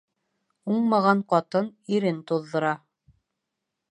Уңмаған ҡатын ирен туҙҙыра.